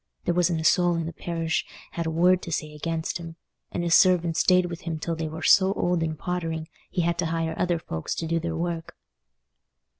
There wasn't a soul in the parish had a word to say against him; and his servants stayed with him till they were so old and pottering, he had to hire other folks to do their work."